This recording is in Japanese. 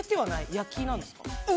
焼きなんですか？